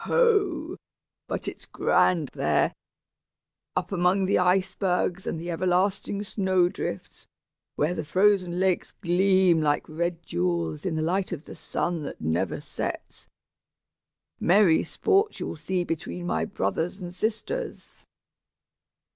Ho! but it's grand there, up among the icebergs and the everlasting snow drifts, where the frozen lakes gleam like red jewels in the light of the sun that never sets! Merry sports you'll see between my brothers and sisters!"